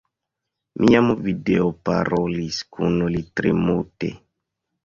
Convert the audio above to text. Mi jam videoparolis kun li tre multe.